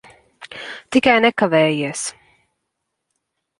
Tikai nekavējies.